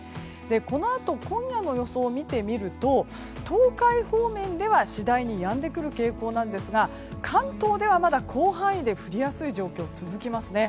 このあと今夜の予想を見てみると東海方面では次第にやんでくる傾向なんですが関東では、まだ広範囲で降りやすい状況が続きます。